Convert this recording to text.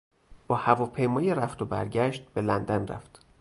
با هواپیمای رفت و برگشت به لندن رفت.